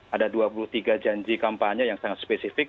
ada dua puluh tiga janji kampanye yang sangat spesifik